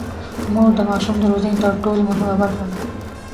مور د ماشوم د روزنې تر ټولو مهمه برخه ده.